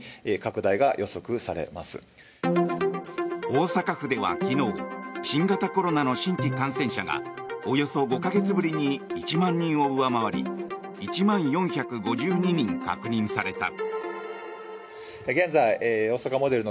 大阪府では昨日新型コロナの新規感染者がおよそ５か月ぶりに１万人を上回り１万４５２人確認された。